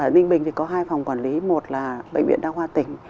ninh bình thì có hai phòng quản lý một là bệnh viện đăng hoa tỉnh